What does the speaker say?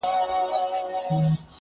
له پیشو یې ورته جوړه ښه نجلۍ کړه،